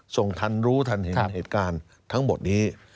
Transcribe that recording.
ส่งทันรู้ทันเห็นเหตุการณ์ทั้งหมดนี้